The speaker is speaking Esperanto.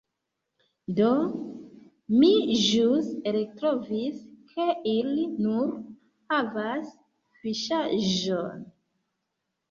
Do, mi ĵus eltrovis, ke ili nur havas fiŝaĵon